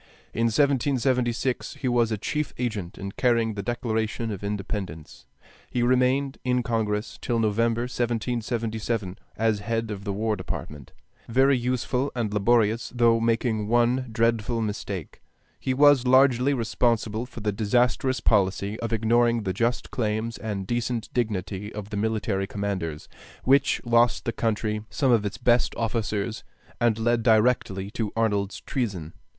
In 1776 he was a chief agent in carrying a declaration of independence. He remained in Congress till November, 1777, as head of the War Department, very useful and laborious though making one dreadful mistake: he was largely responsible for the disastrous policy of ignoring the just claims and decent dignity of the military commanders, which lost the country some of its best officers and led directly to Arnold's treason.